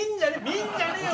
見るんじゃねえよ！